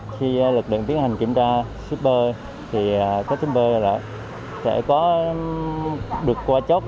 khi lực lượng tiến hành kiểm tra shipper shipper sẽ có được qua chốt